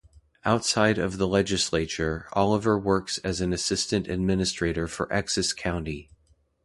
Outside of the Legislature, Oliver works as an assistant administrator for Essex County.